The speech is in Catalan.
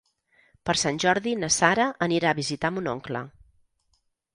Per Sant Jordi na Sara anirà a visitar mon oncle.